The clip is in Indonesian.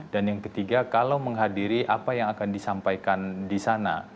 dan yang ketiga kalau menghadiri apa yang akan disampaikan di sana